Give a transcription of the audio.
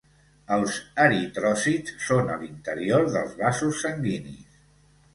Els eritròcits són a l'interior dels vasos sanguinis.